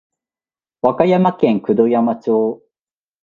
和歌山県九度山町